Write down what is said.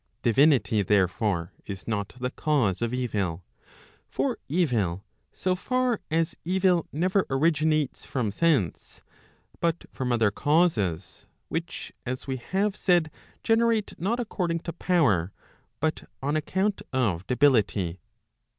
Divinity, therefore, is not the cause of evil. For evil, so far as evil never originates from thence* but from other causes which as we have said generate not Recording to power, but on account of debility.